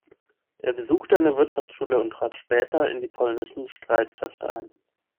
Er besuchte eine Wirtschaftsschule und trat später in die polnischen Streitkräfte ein.